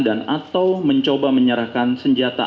dan atau menyerahkan senjata